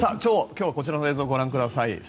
今日はこちらの映像をご覧ください。